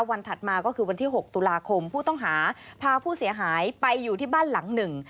ถัดมาก็คือวันที่๖ตุลาคมผู้ต้องหาพาผู้เสียหายไปอยู่ที่บ้านหลังหนึ่ง